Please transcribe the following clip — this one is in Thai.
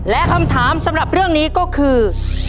และคำถามสำหรับเรื่องนี้ก็คือ